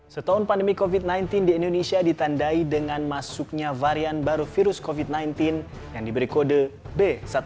setahun pandemi covid sembilan belas di indonesia ditandai dengan masuknya varian baru virus covid sembilan belas yang diberi kode b satu satu